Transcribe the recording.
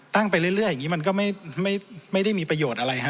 ไปเรื่อยอย่างนี้มันก็ไม่ได้มีประโยชน์อะไรฮะ